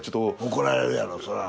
怒られるやろそれは。